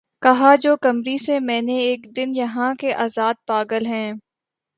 کہا جو قمری سے میں نے اک دن یہاں کے آزاد پاگل ہیں